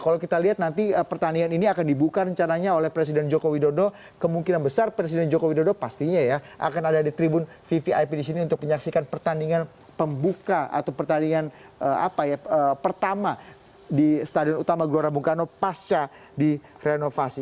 kalau kita lihat nanti pertandingan ini akan dibuka rencananya oleh presiden joko widodo kemungkinan besar presiden joko widodo pastinya ya akan ada di tribun vvip di sini untuk menyaksikan pertandingan pembuka atau pertandingan pertama di stadion utama gelora bung karno pasca direnovasi